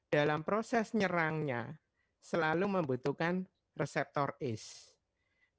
dalam proses nyerangnya selalu membutuhkan reseptor east